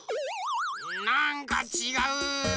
なんかちがう。